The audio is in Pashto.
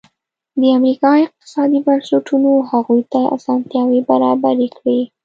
د امریکا اقتصادي بنسټونو هغوی ته اسانتیاوې برابرې کړې.